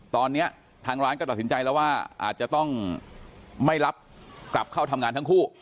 ตอนนี้ทางร้านก็ตัดสินใจแล้วว่าอาจจะต้องไม่รับกลับเข้าทำงานทั้งคู่